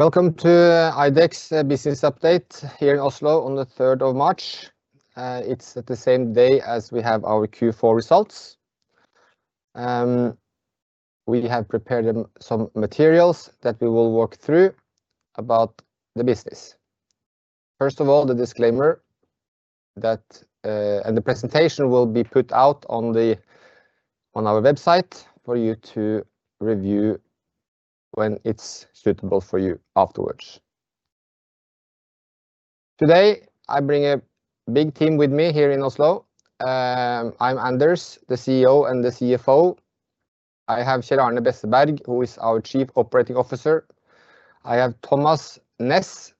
Welcome to IDEX business update here in Oslo on the 3rd of March. It's the same day as we have our Q4 results. We have prepared some materials that we will walk through about the business. First of all, the disclaimer that, and the presentation will be put out on our website for you to review when it's suitable for you afterwards. Today, I bring a big team with me here in Oslo. I'm Anders, the CEO and the CFO. I have Kjell-Arne Besseberg, who is our Chief Operating Officer. I have Thomas Næss,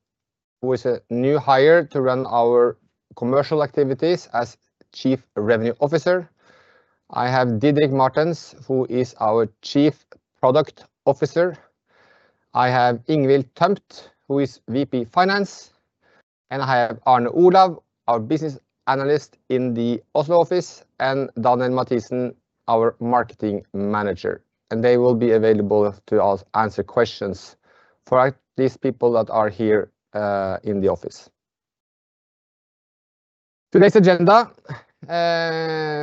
who is a new hire to run our commercial activities as Chief Revenue Officer. I have Didrik Martens, who is our Chief Product Officer. I have Erling Svela, who is VP Finance. And I have Arne Olav, our Business Analyst in the Oslo office, and Daniel Mathisen, our Marketing Manager. They will be available to answer questions for these people that are here in the office. Today's agenda.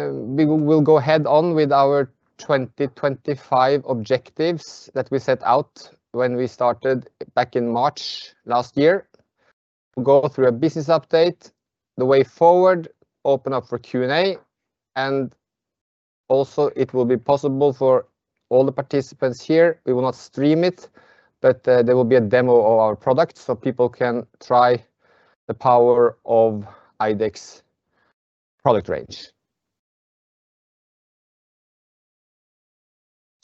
We will go ahead on with our 2025 objectives that we set out when we started back in March last year. Go through a business update, the way forward, open up for Q&A. Also it will be possible for all the participants here. We will not stream it, but there will be a demo of our product, so people can try the power of IDEX product range.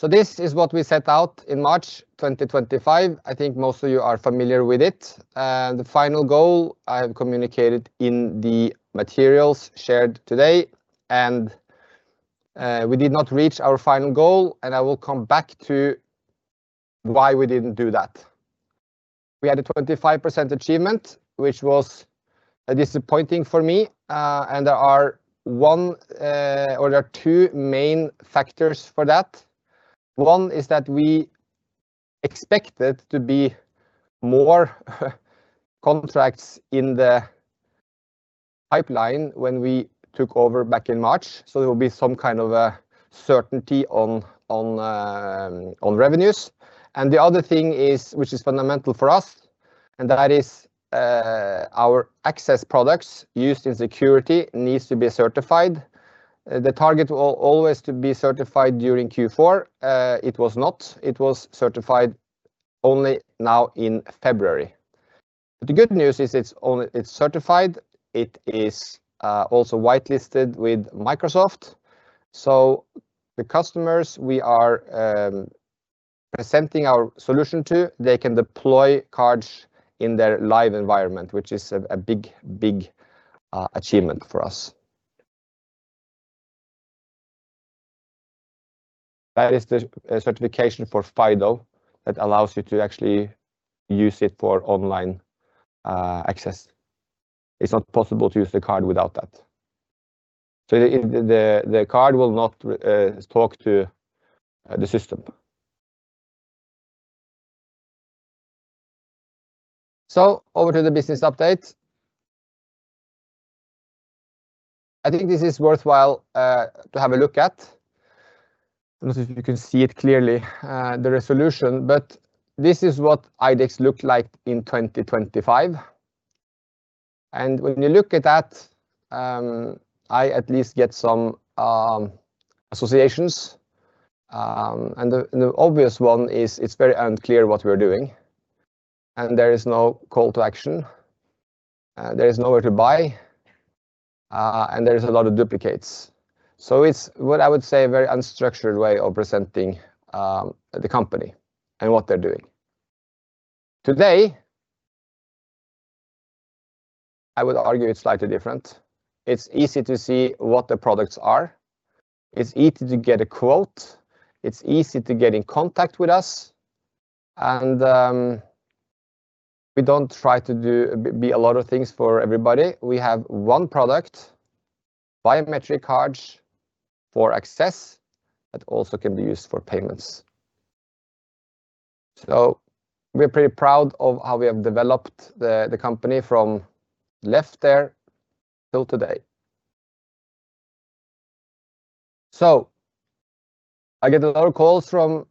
This is what we set out in March 2025. I think most of you are familiar with it. The final goal I have communicated in the materials shared today, we did not reach our final goal, I will come back to why we didn't do that. We had a 25% achievement, which was disappointing for me. There are two main factors for that. One is that we expected to be more contracts in the pipeline when we took over back in March. There will be some kind of a certainty on revenues. The other thing is, which is fundamental for us, and that is our access products used in security needs to be certified. The target will always to be certified during Q4. It was not. It was certified only now in February. The good news is it's certified. It is also whitelisted with Microsoft. The customers we are presenting our solution to, they can deploy cards in their live environment, which is a big, big achievement for us. That is the certification for FIDO that allows you to actually use it for online access. It's not possible to use the card without that. The card will not talk to the system. Over to the business update. I think this is worthwhile to have a look at. I don't know if you can see it clearly, the resolution, but this is what IDEX looked like in 2025. When you look at that, I at least get some associations. The obvious one is it's very unclear what we're doing, and there is no call to action. There is nowhere to buy, and there is a lot of duplicates. It's what I would say, a very unstructured way of presenting the company and what they're doing. Today, I would argue it's slightly different. It's easy to see what the products are. It's easy to get a quote. It's easy to get in contact with us. We don't try to be a lot of things for everybody. We have one product, biometric cards for access, that also can be used for payments. We're pretty proud of how we have developed the company from left there till today. I get a lot of calls from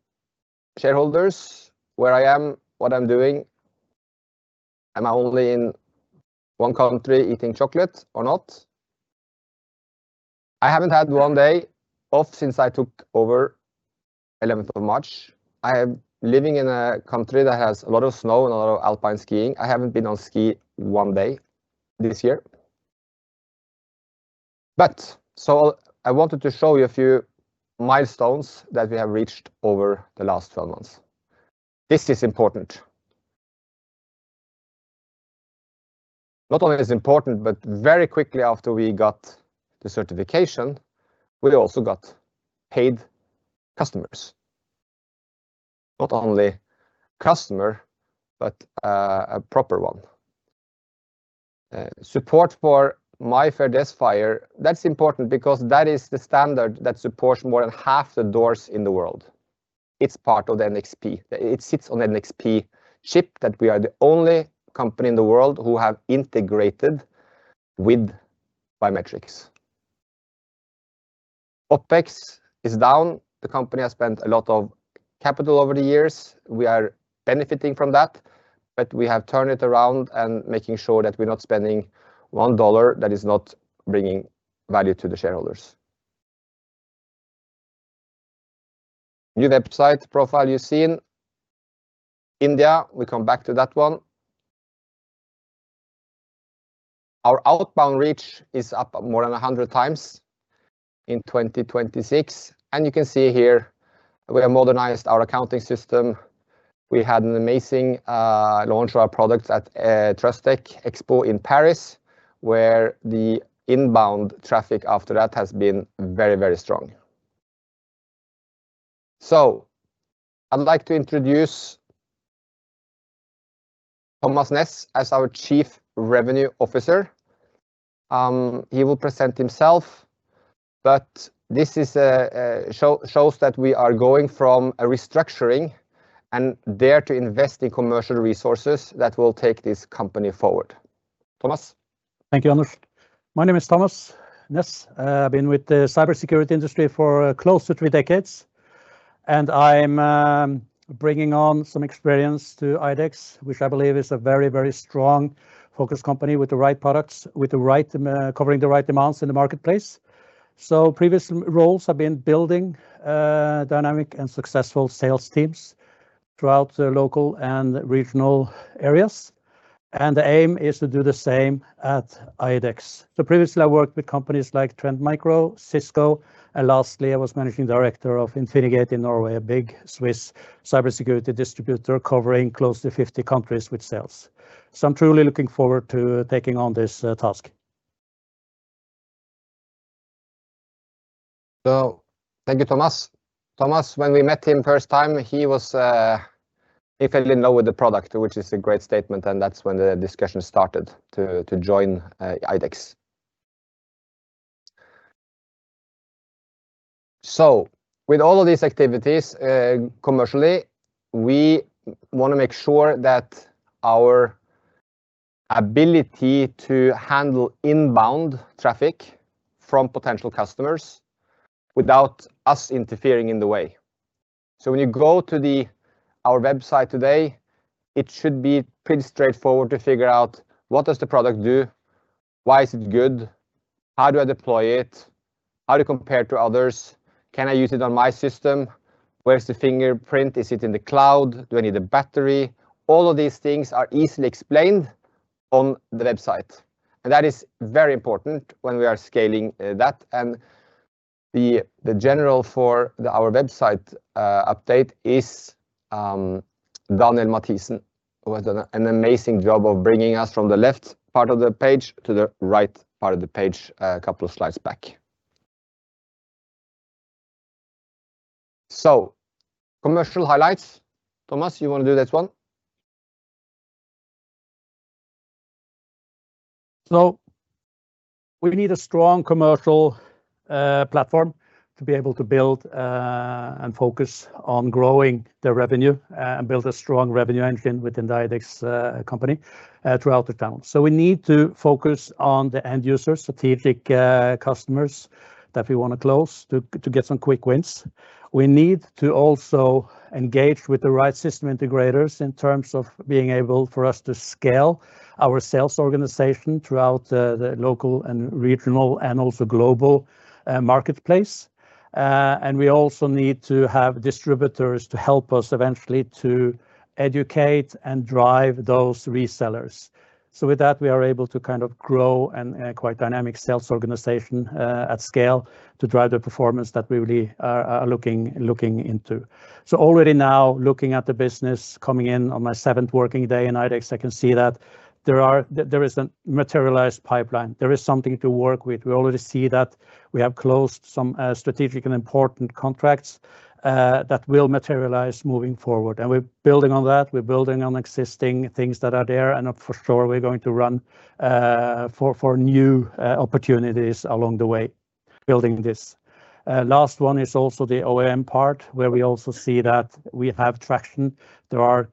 shareholders where I am, what I'm doing. Am I only in one country eating chocolate or not? I haven't had one day off since I took over 11th of March. I am living in a country that has a lot of snow and a lot of alpine skiing. I haven't been on ski one day this year. I wanted to show you a few milestones that we have reached over the last 12 months. This is important. Not only is important, but very quickly after we got the certification, we also got paid customers. Not only customer, but a proper one. Support for MIFARE DESFire. That's important because that is the standard that supports more than half the doors in the world. It's part of NXP. It sits on NXP chip that we are the only company in the world who have integrated with biometrics. OpEx is down, the company has spent a lot of capital over the years. We are benefiting from that, but we have turned it around and making sure that we're not spending $1 that is not bringing value to the shareholders. New website profile you've seen. India, we come back to that one. Our outbound reach is up more than 100 times in 2026. You can see here we have modernized our accounting system. We had an amazing launch of our products at TRUSTECH Expo in Paris, where the inbound traffic after that has been very, very strong. I'd like to introduce Thomas Næss as our Chief Revenue Officer. He will present himself, but this shows that we are going from a restructuring and dare to invest in commercial resources that will take this company forward. Thomas. Thank you, Anders. My name is Thomas Næss. I've been with the cybersecurity industry for close to three decades, and I'm bringing on some experience to IDEX, which I believe is a very, very strong focused company with the right products, covering the right demands in the marketplace. Previous roles have been building dynamic and successful sales teams throughout the local and regional areas, and the aim is to do the same at IDEX. Previously, I worked with companies like Trend Micro, Cisco, and lastly, I was Managing Director of Infinigate in Norway, a big Swiss cybersecurity distributor covering close to 50 countries with sales. I'm truly looking forward to taking on this task. Thank you, Thomas. Thomas, when we met him first time, he was infinitely in love with the product, which is a great statement, and that's when the discussion started to join IDEX. With all of these activities, commercially, we wanna make sure that our ability to handle inbound traffic from potential customers without us interfering in the way. When you go to our website today, it should be pretty straightforward to figure out what does the product do? Why is it good? How do I deploy it? How do you compare to others? Can I use it on my system? Where's the fingerprint? Is it in the cloud? Do I need a battery? All of these things are easily explained on the website, and that is very important when we are scaling that. The general for our website update is Daniel Mathisen, who has done an amazing job of bringing us from the left part of the page to the right part of the page, a couple of slides back. Commercial highlights. Thomas, you wanna do this one? We need a strong commercial platform to be able to build and focus on growing the revenue and build a strong revenue engine within the IDEX company throughout the town. We need to focus on the end user strategic customers that we want to close to get some quick wins. We need to also engage with the right system integrators in terms of being able for us to scale our sales organization throughout the local and regional and also global marketplace. We also need to have distributors to help us eventually to educate and drive those resellers. With that, we are able to kind of grow and quite dynamic sales organization at scale to drive the performance that we really are looking into. Already now looking at the business coming in on my seventh working day in IDEX, I can see that there is a materialized pipeline. There is something to work with. We already see that we have closed some strategic and important contracts that will materialize moving forward. We're building on that. We're building on existing things that are there. For sure, we're going to run for new opportunities along the way, building this. Last one is also the OEM part where we also see that we have traction. There are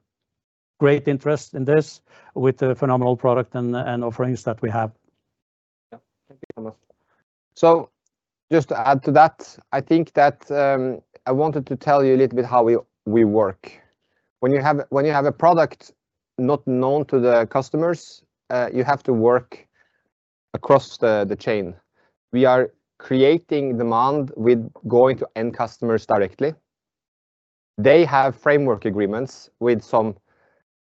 great interest in this with the phenomenal product and offerings that we have. Yeah. Thank you, Thomas. Just to add to that, I think that I wanted to tell you a little bit how we work. When you have a product not known to the customers, you have to work across the chain. We are creating demand with going to end customers directly.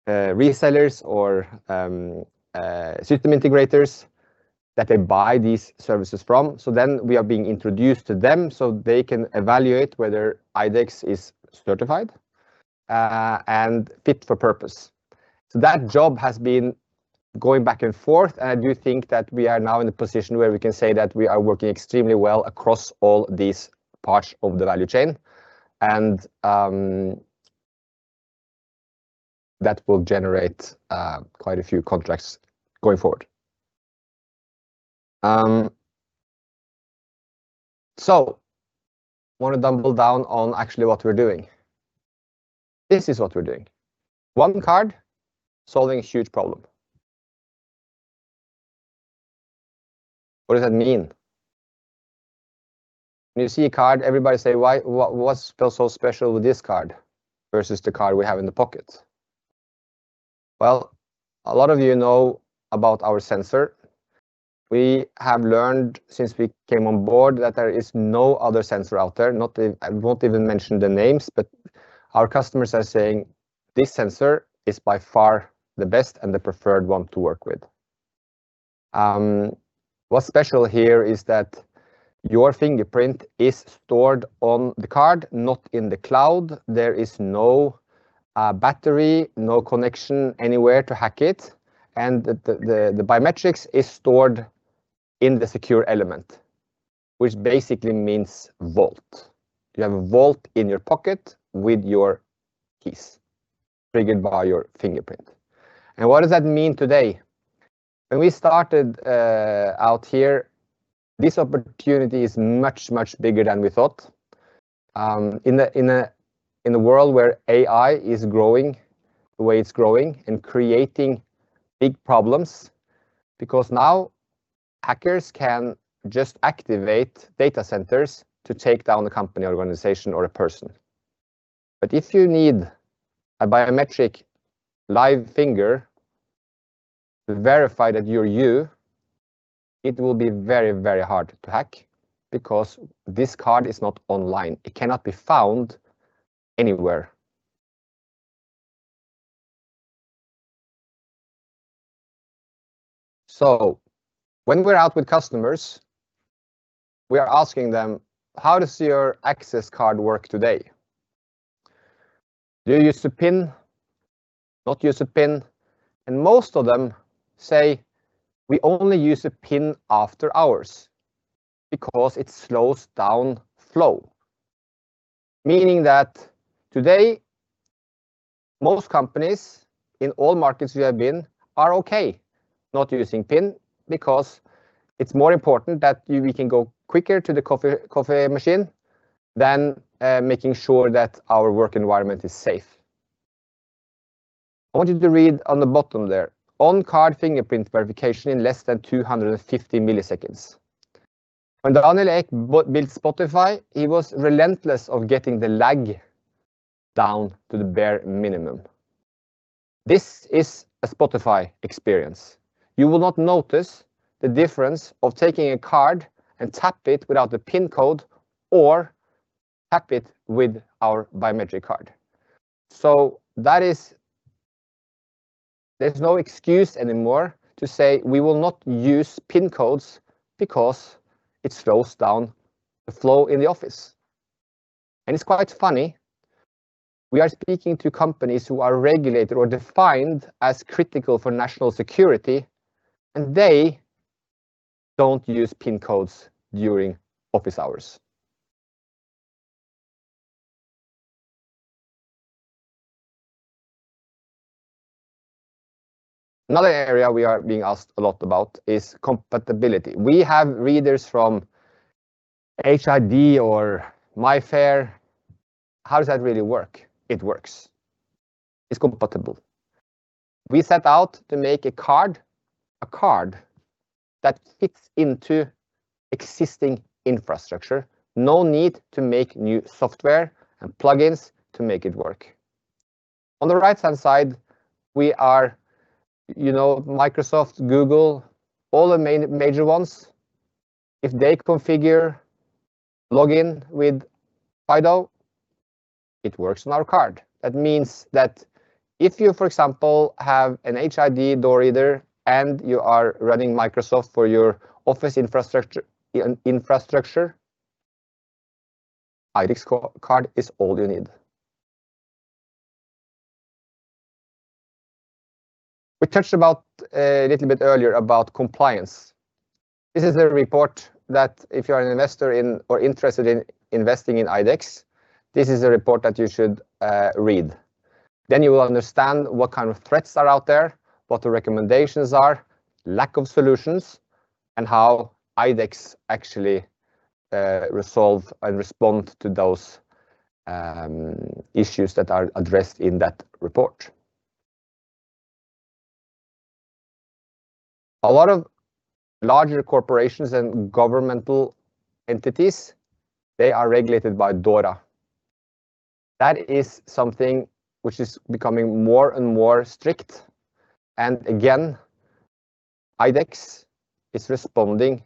They have framework agreements with some resellers or system integrators that they buy these services from. We are being introduced to them, so they can evaluate whether IDEX is certified and fit for purpose. That job has been going back and forth, and I do think that we are now in a position where we can say that we are working extremely well across all these parts of the value chain. That will generate quite a few contracts going forward. Wanna double down on actually what we're doing. This is what we're doing. One card solving a huge problem. What does that mean? When you see a card, everybody say, "Why? What, what's so special with this card versus the card we have in the pocket?" Well, a lot of you know about our sensor. We have learned since we came on board that there is no other sensor out there. I won't even mention the names, but our customers are saying, "This sensor is by far the best and the preferred one to work with." What's special here is that your fingerprint is stored on the card, not in the cloud. There is no battery, no connection anywhere to hack it, and the biometrics is stored in the Secure Element, which basically means vault. You have a vault in your pocket with your keys triggered by your fingerprint. What does that mean today? When we started out here, this opportunity is much, much bigger than we thought. In a world where AI is growing the way it's growing and creating big problems because now hackers can just activate data centers to take down a company, organization, or a person. If you need a biometric live finger to verify that you're you, it will be very, very hard to hack because this card is not online. It cannot be found anywhere. When we're out with customers, we are asking them, "How does your access card work today? Do you use a PIN? Not use a PIN?" Most of them say, "We only use a PIN after hours because it slows down flow." Meaning that today most companies in all markets we have been are okay not using PIN because it's more important that we can go quicker to the coffee machine than making sure that our work environment is safe. I want you to read on the bottom there, on card fingerprint verification in less than 250 milliseconds. When Daniel Ek built Spotify, he was relentless of getting the lag down to the bare minimum. This is a Spotify experience. You will not notice the difference of taking a card and tap it without the PIN code or tap it with our biometric card. There's no excuse anymore to say, we will not use PIN codes because it slows down the flow in the office. It's quite funny, we are speaking to companies who are regulated or defined as critical for national security, and they don't use PIN codes during office hours. Another area we are being asked a lot about is compatibility. We have readers from HID or MIFARE. How does that really work? It works. It's compatible. We set out to make a card, a card that fits into existing infrastructure. No need to make new software and plugins to make it work. On the right-hand side, we are, you know, Microsoft, Google, all the main major ones. If they configure login with FIDO, it works on our card. That means that if you, for example, have an HID door reader and you are running Microsoft for your office infrastructure, IDEX card is all you need. We touched about, a little bit earlier, about compliance. This is a report that if you're an investor in or interested in investing in IDEX, this is a report that you should read. You will understand what kind of threats are out there, what the recommendations are, lack of solutions, and how IDEX actually resolve and respond to those issues that are addressed in that report. A lot of larger corporations and governmental entities, they are regulated by DORA. That is something which is becoming more and more strict. Again, IDEX is responding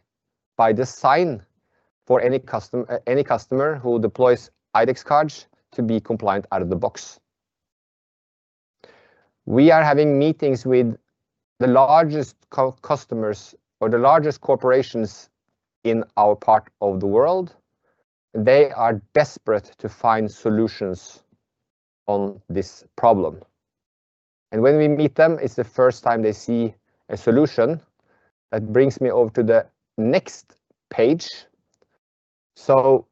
by design for any customer who deploys IDEX cards to be compliant out of the box. We are having meetings with the largest customers or the largest corporations in our part of the world. They are desperate to find solutions on this problem. When we meet them, it's the first time they see a solution. That brings me over to the next page. The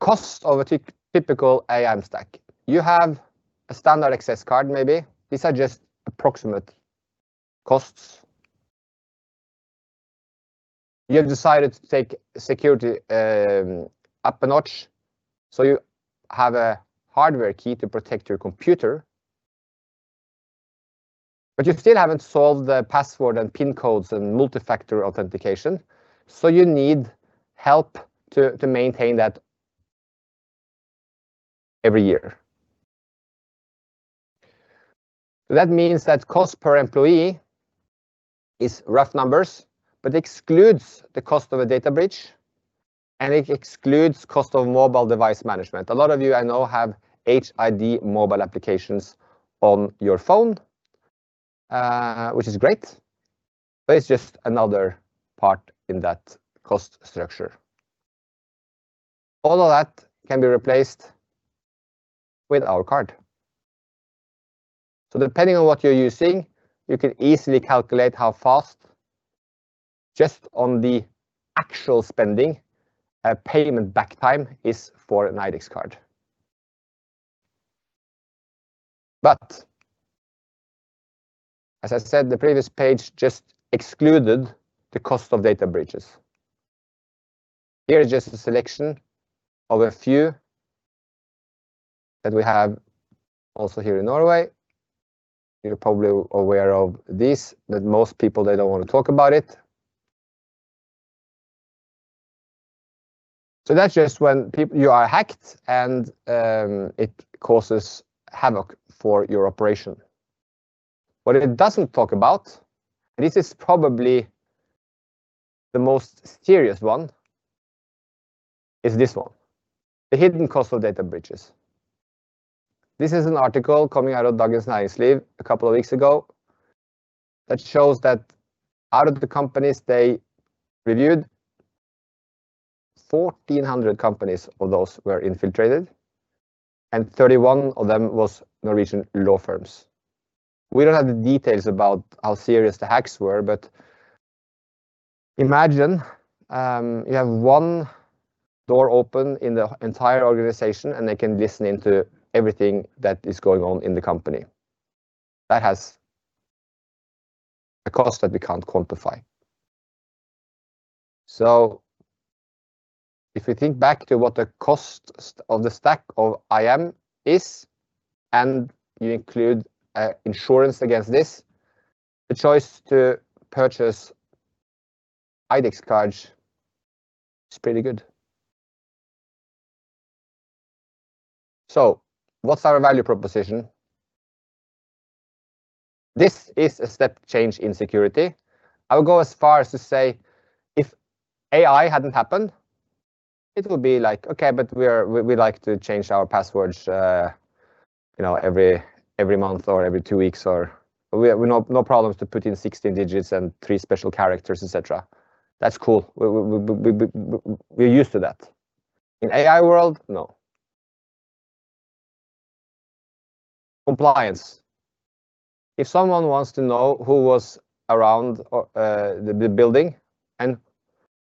cost of a typical IAM stack, you have a standard access card, maybe. These are just approximate costs. You have decided to take security up a notch, so you have a hardware key to protect your computer. You still haven't solved the password and PIN codes and multi-factor authentication. You need help to maintain that every year. That means that cost per employee is rough numbers, but excludes the cost of a data breach, and it excludes cost of Mobile Device Management. A lot of you, I know, have HID mobile applications on your phone, which is great, but it's just another part in that cost structure. All of that can be replaced with our card. Depending on what you're using, you can easily calculate how fast, just on the actual spending, a payment back time is for an IDEX card. As I said, the previous page just excluded the cost of data breaches. Here is just a selection of a few that we have also here in Norway. You're probably aware of this, that most people, they don't wanna talk about it. That's just when you are hacked and it causes havoc for your operation. What it doesn't talk about, and this is probably the most serious one, is this one, the hidden cost of data breaches. This is an article coming out of Dagens Næringsliv a couple of weeks ago that shows that out of the companies they reviewed, 1,400 companies of those were infiltrated, and 31 of them was Norwegian law firms. We don’t have the details about how serious the hacks were but imagine, you have one door open in the entire organization, and they can listen in to everything that is going on in the company. That has a cost that we can't quantify. If you think back to what the cost of the stack of IAM is, and you include insurance against this, the choice to purchase IDEX cards is pretty good. What's our value proposition? This is a step change in security. I would go as far as to say if AI hadn't happened, it would be like, okay, but we like to change our passwords, you know, every month or every two weeks or. No problems to put in 16 digits and three special characters, et cetera. That's cool. We're used to that. In AI world, no. Compliance. If someone wants to know who was around or the building,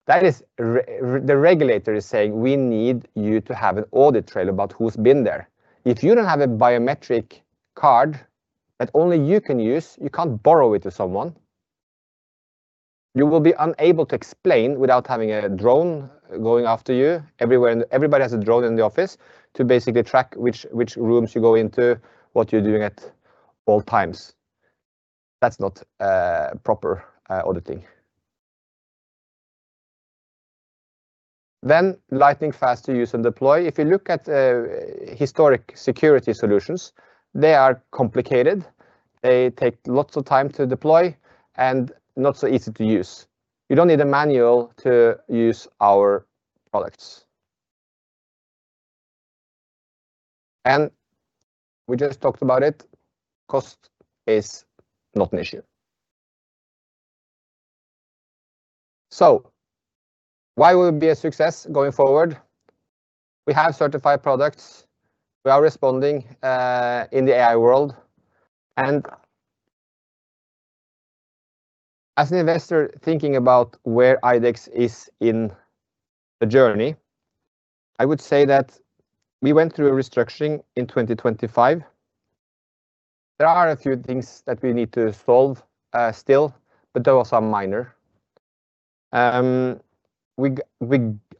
the regulator is saying, "We need you to have an audit trail about who's been there." If you don't have a biometric card that only you can use, you can't borrow it to someone, you will be unable to explain without having a drone going after you everywhere, everybody has a drone in the office, to basically track which rooms you go into, what you're doing at all times. That's not proper auditing. Lightning-fast to use and deploy. If you look at historic security solutions, they are complicated, they take lots of time to deploy, not so easy to use. You don't need a manual to use our products. We just talked about it, cost is not an issue. Why would we be a success going forward? We have certified products. We are responding in the AI world. As an investor thinking about where IDEX is in the journey, I would say that we went through a restructuring in 2025. There are a few things that we need to solve still, but those are minor. We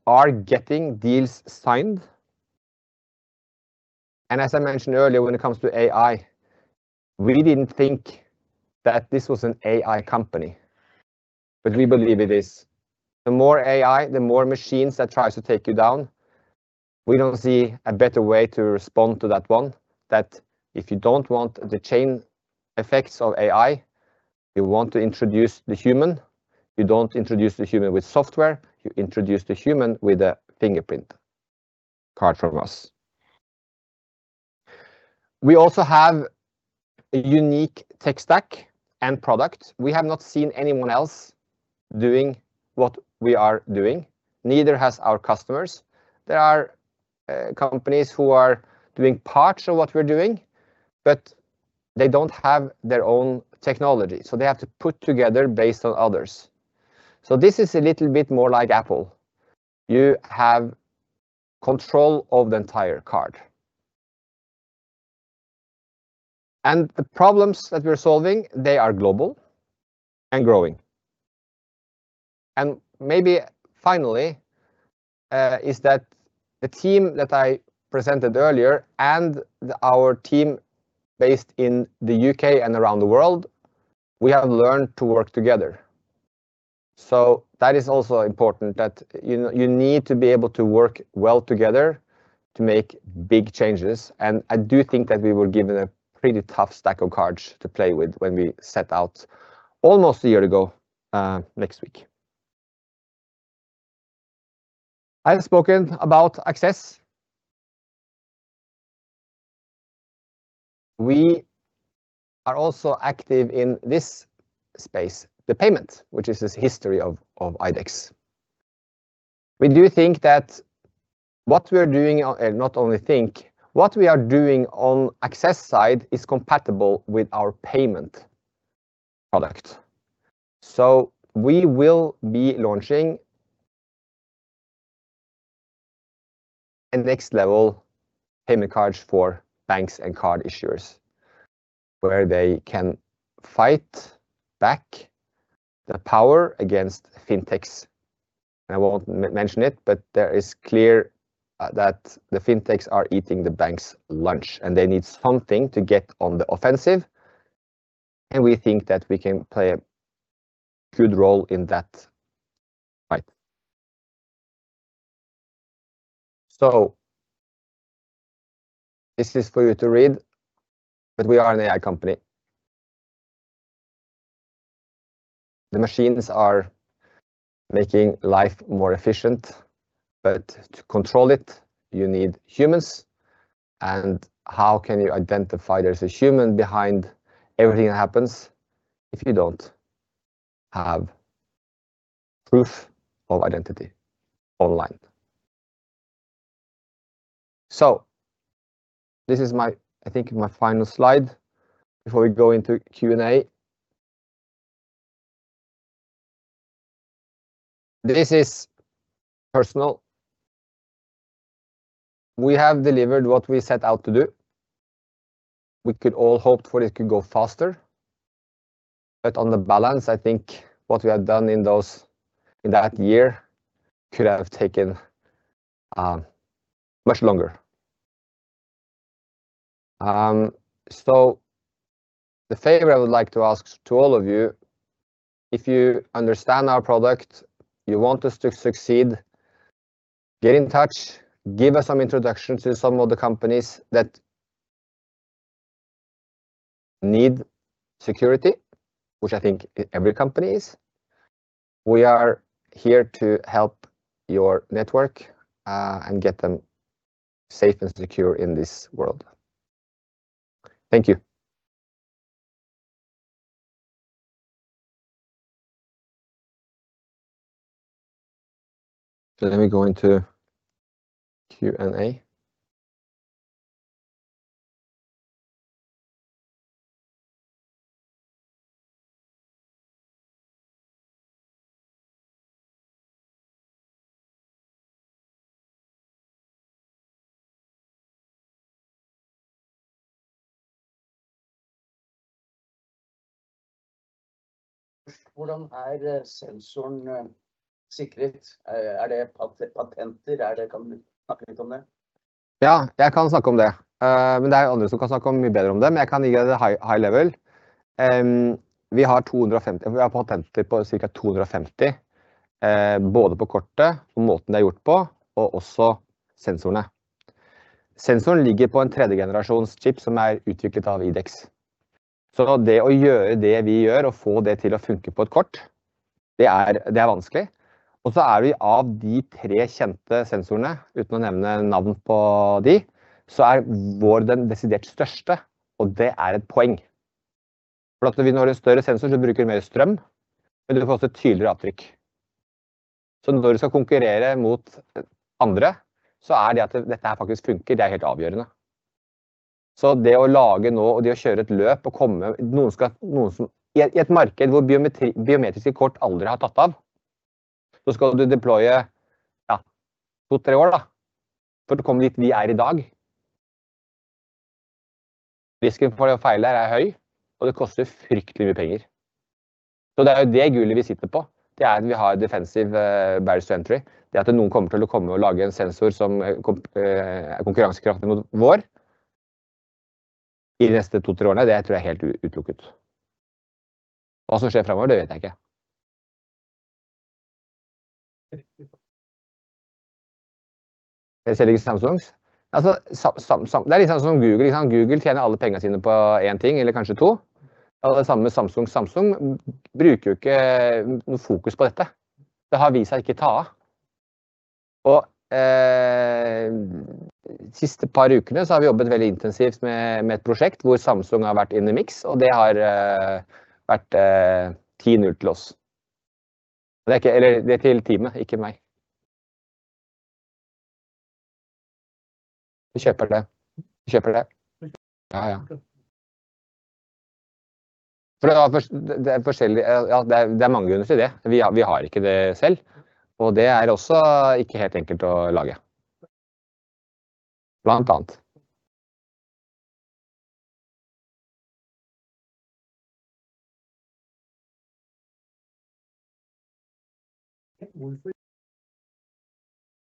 are getting deals signed. As I mentioned earlier, when it comes to AI, we didn't think that this was an AI company, but we believe it is. The more AI, the more machines that tries to take you down. We don't see a better way to respond to that one, that if you don't want the chain effects of AI, you want to introduce the human. You don't introduce the human with software, you introduce the human with a fingerprint card from us. We also have a unique tech stack and product. We have not seen anyone else doing what we are doing, neither has our customers. There are companies who are doing parts of what we're doing. They don't have their own technology, so they have to put together based on others. This is a little bit more like Apple. You have control of the entire card. The problems that we are solving. They are global and growing. Maybe finally, is that the team that I presented earlier and our team based in the U.K. and around the world, we have learned to work together. That is also important that, you know, you need to be able to work well together to make big changes. I do think that we were given a pretty tough stack of cards to play with when we set out almost a year ago next week. I have spoken about access. We are also active in this space. The payment, which is this history of IDEX. We do think that what we are doing, not only think what we are doing on access side, is compatible with our payment product. We will be launching. The next level payment cards for banks and card issuers where they can fight back the power against fintechs. I won't mention it, but there is clear that the fintechs are eating the bank's lunch and they need something to get on the offensive, and we think that we can play a good role in that fight. This is for you to read. We are an AI company. The machines are making life more efficient. To control it, you need humans. How can you identify there's a human behind everything that happens if you don't have proof of identity online? This is I think my final slide before we go into Q&A. This is personal. We have delivered what we set out to do. We could all hoped for it could go faster. On the balance, I think what we have done in that year could have taken much longer. The favor I would like to ask to all of you if you understand our product. You want us to succeed. Get in touch. Give us some introduction to some of the companies that need security, which I think every company is. We are here to help your network and get them safe and secure in this world. Thank you. Let me go into Q&A. Hvordan er sensoren sikret? Er det patenter? Kan du snakke litt om det? Ja, jeg kan snakke om det. Det er andre som kan snakke om mye bedre om det. Jeg kan gi dere det high level. Vi har patenter på cirka 250, både på kortet og måten det er gjort på, og også sensorene. Sensoren ligger på en 3rd-generation chip som er utviklet av IDEX. Det å gjøre det vi gjør og få det til å funke på et kort det er vanskelig. Er vi av de 3 kjente sensorene, uten å nevne navn på de, så er vår den desidert største. Det er et poeng fordi når du har en større sensor så bruker mer strøm, men du får også et tydeligere avtrykk. Når du skal konkurrere mot andre, så er det at dette her faktisk funker. Det er helt avgjørende. Det å lage nå og det å kjøre et løp og komme noen skal, noen som i et marked hvor biometri, biometriske kort aldri har tatt av, så skal du deploye ja 2-3 år da for å komme dit vi er i dag. Risiken for å feile her er høy, og det koster fryktelig mye penger. Det er jo det gullet vi sitter på. Det er at vi har defensiv barrier to entry. Det at noen kommer til å komme og lage en sensor som kom, er konkurransekraftig mot vår i de neste 2-3 årene. Det tror jeg er helt utelukket. Hva som skjer framover det vet jeg ikke. Jeg selger ikke Samsung. Altså Sam, det er litt sånn som Google, ikke sant. Google tjener alle pengene sine på en ting, eller kanskje to, og det samme med Samsung. Samsung bruker jo ikke noe fokus på dette. Det har vist seg ikke ta av. Siste par ukene så har vi jobbet veldig intensivt med et prosjekt hvor Samsung har vært in the mix, og det har vært 10-0 til oss. Det er ikke hele teamet, ikke meg. Vi kjøper det. Vi kjøper det. Ja, ja. Det er forskjellige. Ja, det er mange grunner til det. Vi har ikke det selv, og det er også ikke helt enkelt å lage. Blant annet. Hvorfor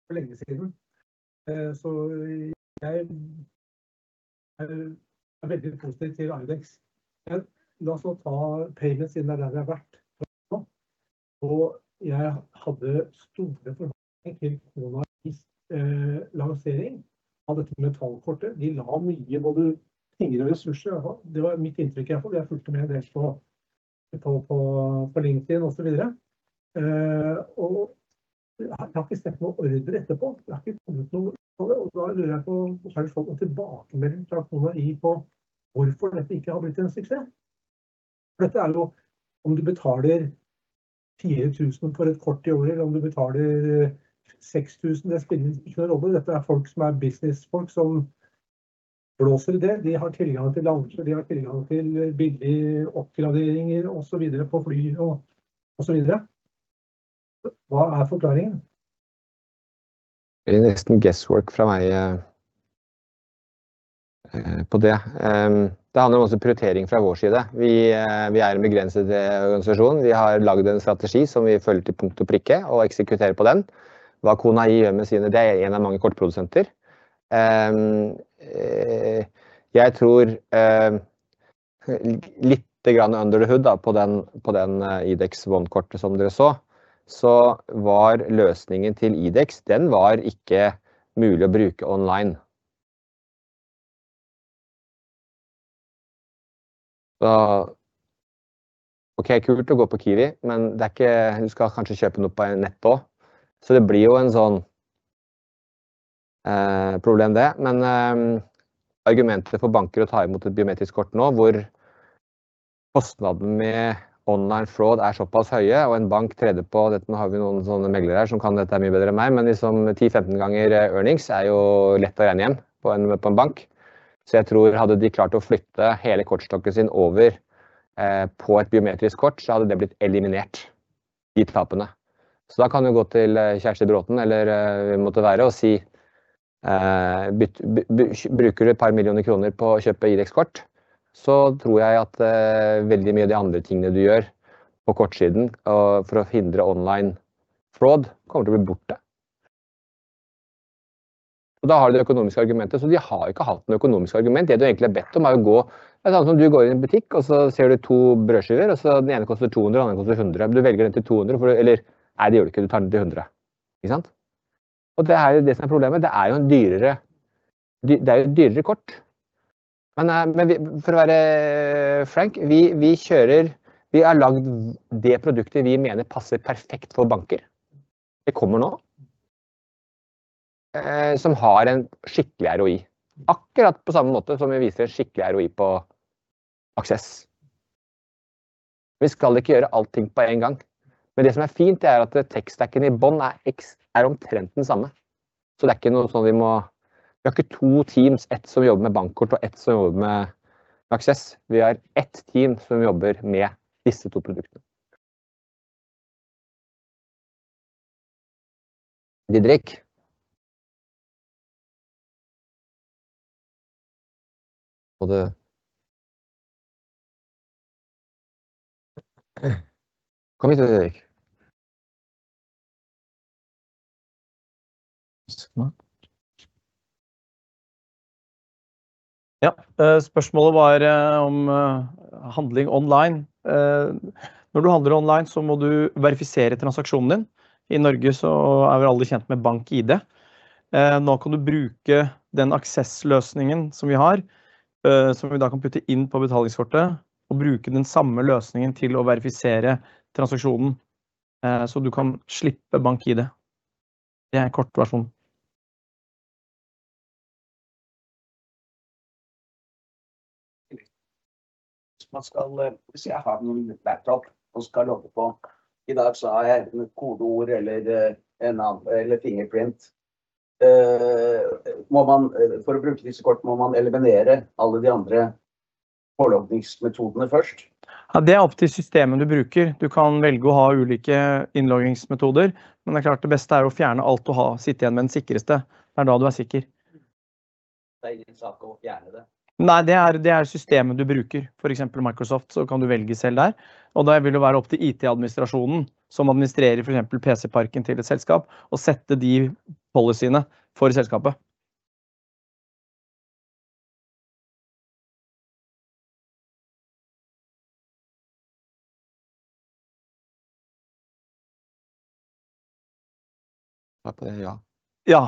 for lenge siden. Jeg er veldig positiv til IDEX. La oss nå ta payment siden det er der det har vært så og jeg hadde store forhåpninger til Kona I lansering av dette med tallkortet. De la mye, både penger og ressurser. Det var mitt inntrykk i alle fall. Jeg fulgte med en del på LinkedIn og så videre, og jeg har ikke sett noen ordrer etterpå. Det har ikke kommet noe om det, og da lurer jeg på har du fått noen tilbakemelding fra Kona I på hvorfor dette ikke har blitt en suksess? Dette er jo om du betaler 4,000 for et kort i året, eller om du betaler 6,000. Det spiller ingen rolle. Dette er folk som er businessfolk som blåser i det. De har tilgang til lounger, de har tilgang til billige oppgraderinger og så videre på fly og så videre. Hva er forklaringen? Det er nesten guesswork fra meg på det. Det handler også om prioritering fra vår side. Vi er en begrenset organisasjon. Vi har lagd en strategi som vi følger til punkt og prikke og eksekverer på den. Hva Kona gjør med sine, det er en av mange kortprodusenter. Jeg tror littegranne under the hood da på den IDEX von kortet som dere så var løsningen til IDEX, den var ikke mulig å bruke online. Okei, kult å gå på Kiwi, men det er ikke, du skal kanskje kjøpe noe på nett også, så det blir jo en sånn problem det. Argumentet for banker å ta i mot et biometrisk kort nå hvor kostnaden med online fraud er såpass høye og en bank treder på dette. Nå har vi noen sånne meglere her som kan dette mye bedre enn meg, liksom 10-15 times earnings er jo lett å regne hjem på en bank. Jeg tror hadde de klart å flytte hele kortstokken sin over på et biometric card, så hadde det blitt eliminert de tapene. Da kan du gå til Kjerstin Braathen eller hvem det måtte være og si, bruker du et par millioner NOK på å kjøpe IDEX card, så tror jeg at veldig mye av de andre tingene du gjør på kortsiden og for å hindre online fraud kommer til å bli borte. Da har du det økonomiske argumentet, de har ikke hatt noe økonomisk argument. Det du egentlig har bedt om er sånn som du går i en butikk, og så ser du to brødskiver, og så den ene koster 200, og den andre koster NOK 100. Om du velger den til 200 fordi, eller nei, det gjør du ikke. Du tar den til 100, ikke sant? Det er jo det som er problemet. Det er jo en dyrere, det er jo et dyrere kort. For å være frank, vi har lagd det produktet vi mener passer perfekt for banker. Det kommer nå. Som har en skikkelig ROI. Akkurat på samme måte som vi viser en skikkelig ROI på Access. Vi skal ikke gjøre allting på en gang, men det som er fint er at tech stacken i bunn er omtrent den samme. Det er ikke noe sånn vi må, vi har ikke two teams, one som jobber med bankkort og one som jobber med Access. Vi har one team som jobber med disse two produktene. Didrik? Og det. Kom hit, Didrik. Ja. Spørsmålet var om handling online. Når du handler online så må du verifisere transaksjonen din. I Norge så er vel alle kjent med BankID. Nå kan du bruke den Access løsningen som vi har, som vi da kan putte inn på betalingskortet og bruke den samme løsningen til å verifisere transaksjonen, så du kan slippe BankID. Det er kortversjonen. Hvis man skal, hvis jeg har noen laptop og skal logge på i dag, så har jeg enten et kodeord eller en annen eller fingerprint. Må man for å bruke disse kortene må man eliminere alle de andre påloggingsmetodene først? Ja, det er opp til systemet du bruker. Du kan velge å ha ulike innloggingsmetoder, men det er klart det beste er å fjerne alt og ha sitte igjen med den sikreste. Det er da du er sikker. Det er ingen sak å fjerne det? Nei, det er det er systemet du bruker. For eksempel Microsoft, så kan du velge selv der. Vil det være opp til IT administrasjonen som administrerer for eksempel PC parken til et selskap, å sette de policyene for selskapet. Svaret på det er ja. Ja.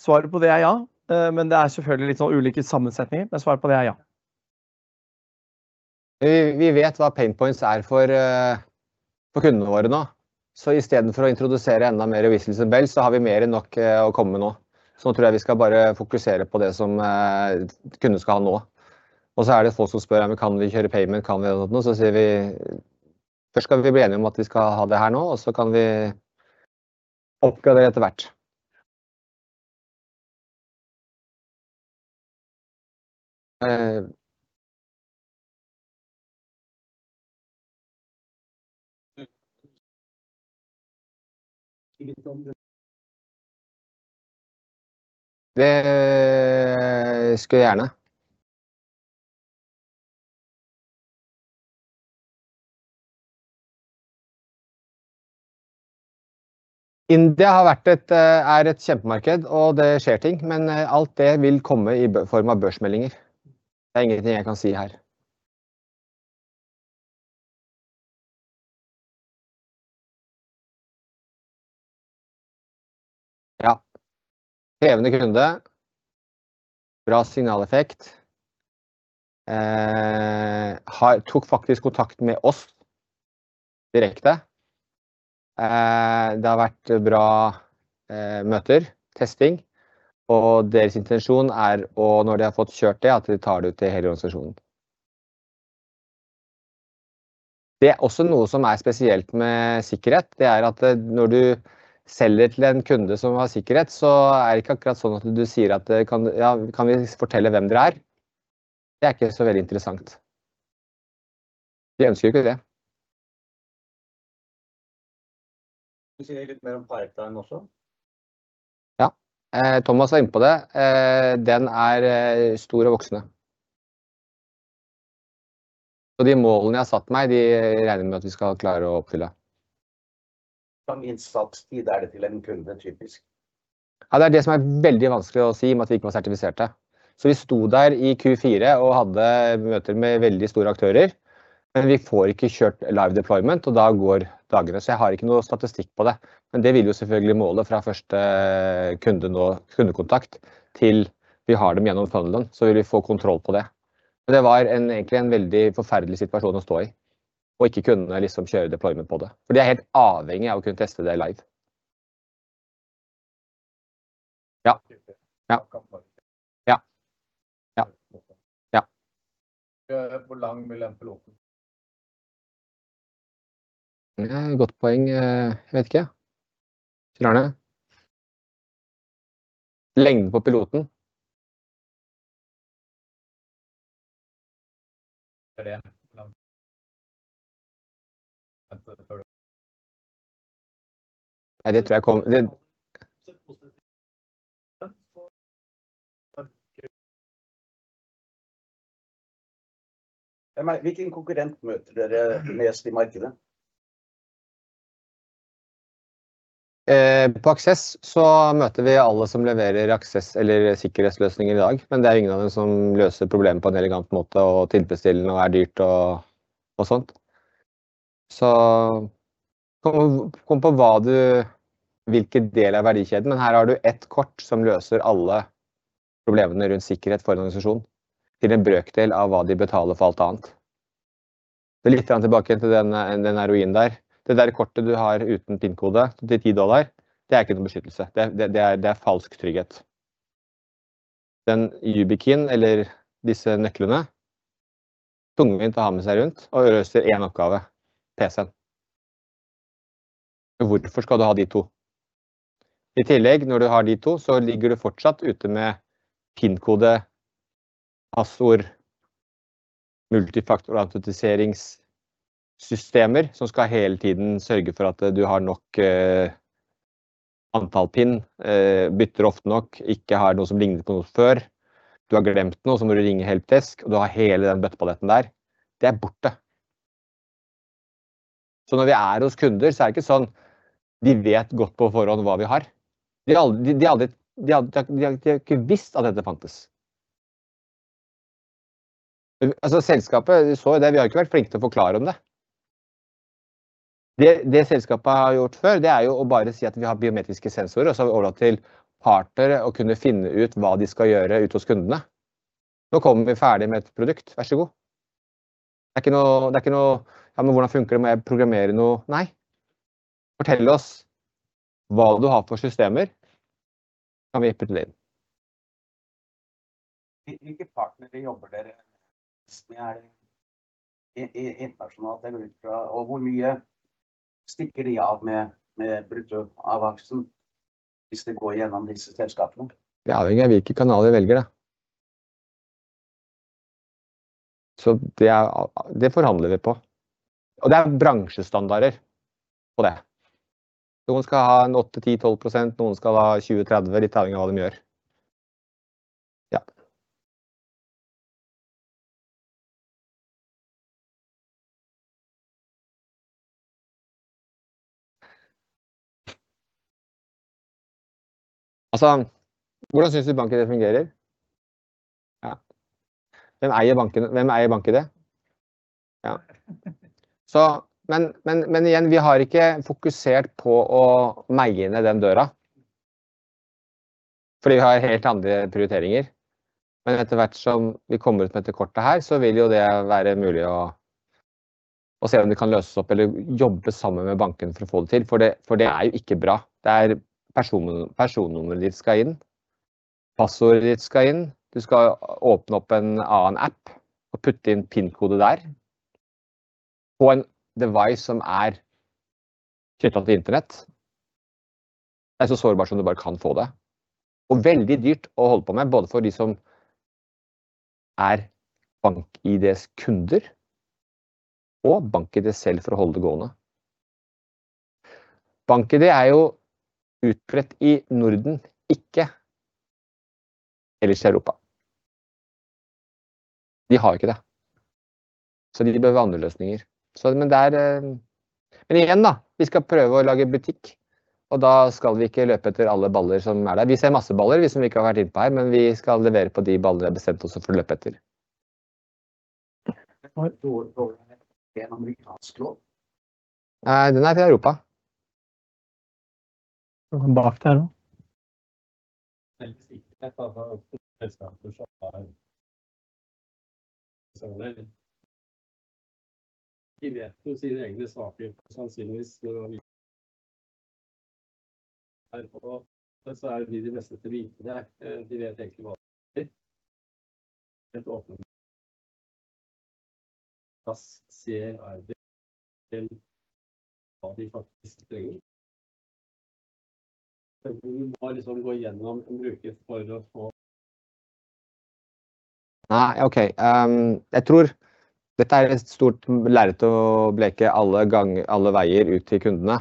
Svaret på det er ja. Det er selvfølgelig litt sånn ulike sammensetninger. Svaret på det er ja. Vi vet hva pain points er for kundene våre nå. I stedet for å introdusere enda mer whistles and bells så har vi mer enn nok å komme med nå. Nå tror jeg vi skal bare fokusere på det som kundene skal ha nå. Er det folk som spør kan vi kjøre payment? Kan vi gjøre sånt noe, så sier vi. Først skal vi bli enige om at vi skal ha det her nå, og så kan vi oppgradere etter hvert. Det skal vi gjerne. India er et kjempemarked og det skjer ting, men alt det vil komme i form av børsmeldinger. Det er ingen ting jeg kan si her. Ja. Krevende kunde. Bra signaleffekt. tok faktisk kontakt med oss direkte. Det har vært bra møter, testing og deres intensjon er å når de har fått kjørt det, at de tar det ut til hele organisasjonen. Det er også noe som er spesielt med sikkerhet. Det er at når du selger til en kunde som har sikkerhet, så er det ikke akkurat sånn at du sier at det kan kan vi fortelle hvem dere er. Det er ikke så veldig interessant. De ønsker ikke det. Kan du si litt mer om pipe time også? Ja, Thomas var inne på det. Den er stor og voksende. De målene jeg har satt meg, de regner med at vi skal klare å oppfylle. Hva min satstid er det til en kunde typisk? Det er det som er veldig vanskelig å si i og med at vi ikke var sertifiserte. Vi sto der i Q4 og hadde møter med veldig store aktører. Vi får ikke kjørt live deployment, og da går dagene. Jeg har ikke noe statistikk på det. Det vil jo selvfølgelig måle fra første kunde nå, kundekontakt til vi har dem gjennom funnelen, så vil vi få kontroll på det. Det var en egentlig en veldig forferdelig situasjon å stå i og ikke kunne liksom kjøre deployment på det, for de er helt avhengige av å kunne teste det live. Ja. Hvor lang vil en pilot være? Godt poeng. Vet ikke, klarer det. Lengden på piloten. Det er langt. Nei, det tror jeg kom, det. Hvilken konkurrent møter dere mest i markedet? På access så møter vi alle som leverer access eller sikkerhetsløsninger i dag, det er ingen av dem som løser problemet på en elegant måte og tilfredsstillende og er dyrt og sånt. Hvilken del av verdikjeden? Her har du et kort som løser alle problemene rundt sikkerhet for en organisasjon til en brøkdel av hva de betaler for alt annet. Det er litt tilbake til den heroin der, det der kortet du har uten pinkode til $10. Det er ikke noe beskyttelse, det er falsk trygghet. Den YubiKeyen eller disse nøklene tungvint å ha med seg rundt og løser en oppgave. PC. Hvorfor skal du ha de to? I tillegg, når du har de to, så ligger du fortsatt ute med pinkode, passord, multifaktorautentiseringssystemer som skal hele tiden sørge for at du har nok antall PIN bytter ofte nok, ikke har noe som ligner på noe før du har glemt den, og så må du ringe helpdesk og du har hele den bøtteballetten der. Det er borte. Når vi er hos kunder så er det ikke sånn, de vet godt på forhånd hva vi har. De har aldri, de har ikke visst at dette fantes. Altså selskapet så det. Vi har ikke vært flinke til å forklare dem det. Det selskapet har gjort før, det er jo å bare si at vi har biometriske sensorer, og så overlate til partnere å kunne finne ut hva de skal gjøre ute hos kundene. Nå kommer vi ferdig med et produkt, vær så god! Det er ikke noe, det er ikke noe. Ja, hvordan funker det med å programmere noe? Nei. Fortell oss hva du har for systemer, kan vi hippe det inn. Hvilke partnere jobber dere med? Er det i, internasjonalt eller ut fra, og hvor mye stikker de av med brutto av avkastningen hvis det går gjennom disse selskapene? Det avhenger av hvilken kanal jeg velger da. Det forhandler vi på, og det er bransjestandarder på det. Noen skal ha en 8-12%, noen skal ha 20-30%, litt avhengig av hva de gjør. Ja. Altså, hvordan synes du BankID fungerer? Ja. Hvem eier banken? Hvem eier BankID? Ja. Igjen, vi har ikke fokusert på å meie ned den døra. Vi har helt andre prioriteringer. Etter hvert som vi kommer ut med dette kortet her, så vil jo det være mulig å se om vi kan løse det opp eller jobbe sammen med banken for å få det til. Det er jo ikke bra. Det er personnummer de skal inn. Passordet ditt skal inn. Du skal åpne opp en annen app og putte inn pinkode der på en device som er koblet til internett. Det er så sårbart som du bare kan få det, og veldig dyrt å holde på med både for de som er BankID kunder og BankID selv for å holde det gående. BankID er jo utbredt i Norden, ikke ellers i Europa. De har ikke det, så de behøver andre løsninger. Det er men igjen da vi skal prøve å lage butikk, og da skal vi ikke løpe etter alle baller som er der. Vi ser masse baller, vi som ikke har vært inne på her. Vi skal levere på de ballene vi har bestemt oss for å løpe etter. En amerikansk lov. Nei, den er til Europa. Bak her nå. Sikkerhet for selskaper som har. De vet om sine egne saker, sannsynligvis. Her og så er de de beste til å vite det. De vet egentlig hva de. Helt åpen. Class CRH. Hva de faktisk trenger. Så må du bare gå gjennom en bruker for å få. Nei, okay. Jeg tror dette er et stort lerret å bleke alle ganger alle veier ut til kundene.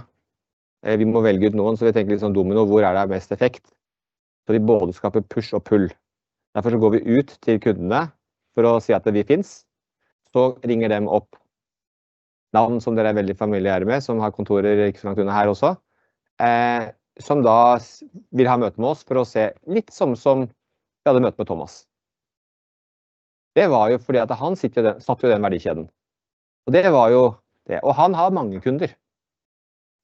Vi må velge ut noen. Vi tenker litt sånn domino, hvor er det mest effekt for de både skaper push og pull. Derfor går vi ut til kundene for å si at vi finnes. Ringer dem opp navn som dere er veldig familiære med, som har kontorer ikke så langt unna her også, som da vil ha møte med oss for å se litt samme som vi hadde møte med Thomas. Det var jo fordi at han satt jo i den verdikjeden, og det var jo det, og han har mange kunder.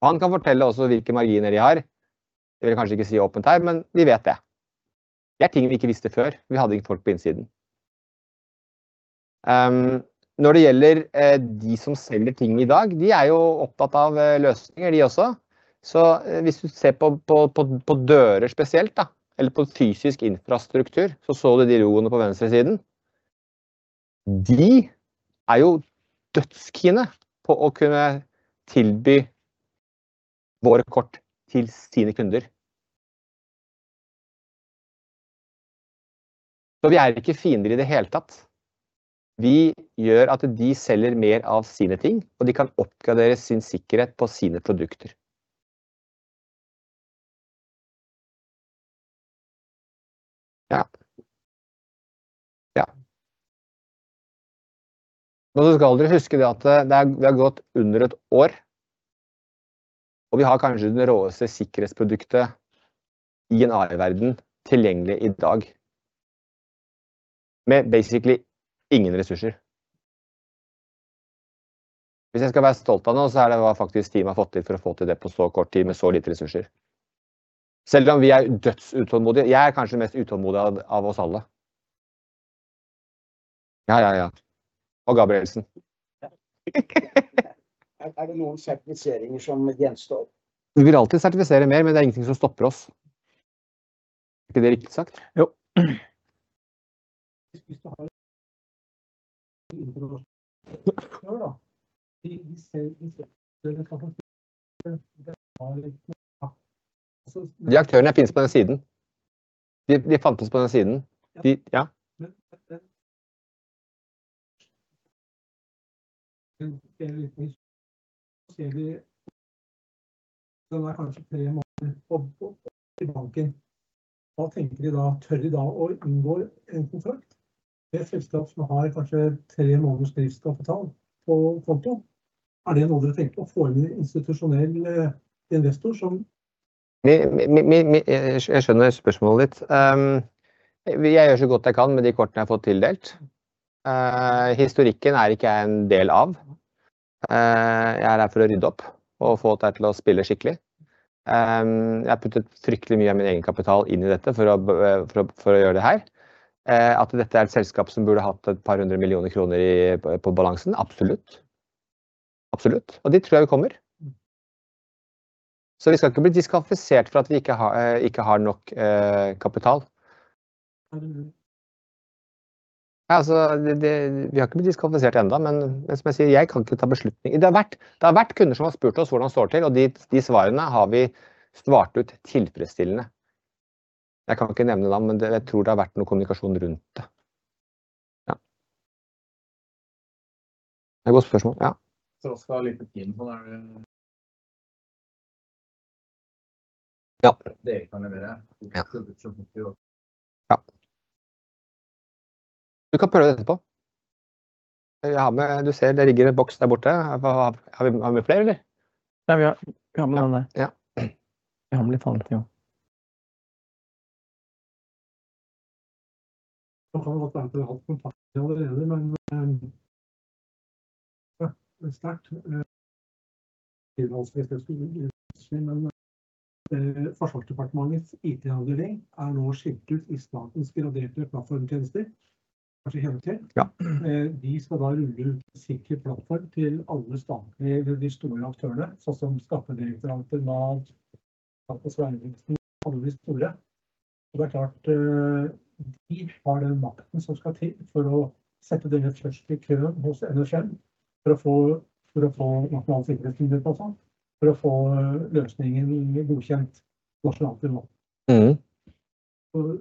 Han kan fortelle også hvilke marginer de har. Det vil jeg kanskje ikke si åpent her, men vi vet det. Det er ting vi ikke visste før. Vi hadde ikke folk på innsiden. Når det gjelder de som selger ting i dag. De er jo opptatt av løsninger de også. Hvis du ser på dører spesielt da eller på fysisk infrastruktur, så du de røde på venstresiden. De er jo dødskjenn på å kunne tilby våre kort til sine kunder. Vi er ikke fiender i det hele tatt. Vi gjør at de selger mer av sine ting, og de kan oppgradere sin sikkerhet på sine produkter. Ja. Ja. Skal dere huske det at det har gått under 1 år, og vi har kanskje det råeste sikkerhetsproduktet i en AI-verden tilgjengelig i dag med basically ingen ressurser. Hvis jeg skal være stolt av noe, så er det hva faktisk teamet har fått til for å få til det på så kort tid med så lite ressurser. Selv om vi er dødsutålmodig. Jeg er kanskje mest utålmodig av oss alle. Ja, ja. Gabrielsen. Er det noen sertifiseringer som gjenstår? Vi vil alltid sertifisere mer, men det er ingenting som stopper oss. Er ikke det riktig sagt? Jo. Hvis du har. Introduksjon da. Vi ser jo større kapasitet. Det er litt. De aktørene finnes på den siden de fant oss på den siden. Ja. Det er litt misunnelig. Den er kanskje tre måneder i banken. Hva tenker de da? Tør de da å inngå en kontrakt med et selskap som har kanskje tre måneders driftskapital på konto? Er det noe dere tenker å få inn en institusjonell investor som. Jeg skjønner spørsmålet ditt. Jeg gjør så godt jeg kan med de kortene jeg har fått tildelt. Historikken er ikke en del av. Jeg er her for å rydde opp og få dette til å spille skikkelig. Jeg puttet fryktelig mye av min egenkapital inn i dette for å gjøre det her. At dette er et selskap som burde hatt et par 100 million NOK i på balansen. Absolutt, absolutt. Det tror jeg vi kommer. Vi skal ikke bli diskvalifisert for at vi ikke har nok kapital. Nei. Altså, vi har ikke blitt diskvalifisert enda. Som jeg sier, jeg kan ikke ta beslutning. Det har vært kunder som har spurt oss hvordan det står til, og de svarene har vi svart ut tilfredsstillende. Jeg kan ikke nevne navn, men jeg tror det har vært noe kommunikasjon rundt det. Ja. Det er godt spørsmål ja. Skal ha litt på feeling. Sånn er det. Ja. Det kan levere. Ja. Ja. Du kan prøve det etterpå. Jeg har med du ser det ligger en boks der borte. Hva har vi med fler eller? Nei, vi har med det. Ja. Vi har blitt ferdig nå. Det kan godt hende du har hatt kontakt allerede. Sterkt tilhold. Forsvarsdepartementets IT avdeling er nå skilt ut i Statens graderte plattformtjenester. Kanskje en til. Ja. De skal da rulle ut sikker plattform til alle statlige, de store aktørene, sånn som Skattedirektoratet, Nav, Statens vegvesen, alle de store. Det er klart, de har den makten som skal til for å sette dere først i køen hos NSM for å få, hva kalles det, for å få løsningen godkjent nasjonalt nivå. Mhm.